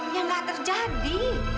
ya gak terjadi